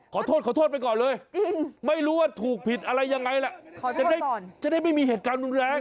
ขอโทษขอโทษไปก่อนเลยไม่รู้ว่าถูกผิดอะไรยังไงแหละจะได้ไม่มีเหตุการณ์รุนแรง